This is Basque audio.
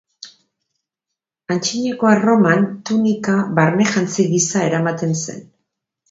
Antzinako Erroman, tunika barne-jantzi gisa eramaten zen.